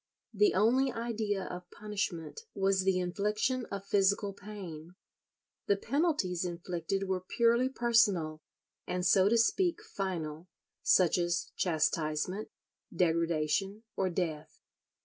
The only idea of punishment was the infliction of physical pain. The penalties inflicted were purely personal, and so to speak final; such as chastisement, degradation, or death.